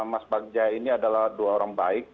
mas bagja ini adalah dua orang baik